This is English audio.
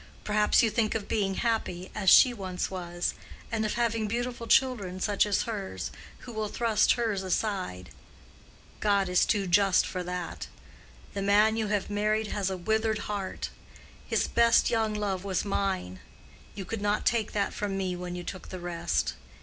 Perhaps you think of being happy, as she once was, and of having beautiful children such as hers, who will thrust hers aside. God is too just for that. The man you have married has a withered heart. His best young love was mine: you could not take that from me when you took the rest.